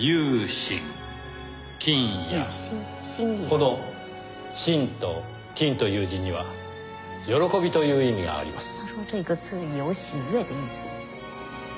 この「欣」と「欣」という字には「喜び」という意味があります。